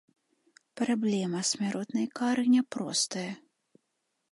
Праблема смяротнай кары няпростая.